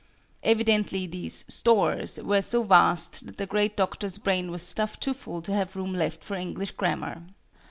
Evidently these "stores" were so vast that the great doctor's brain was stuffed too full to have room left for English Grammar.